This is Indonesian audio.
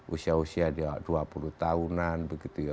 usia usia dua puluh tahunan begitu ya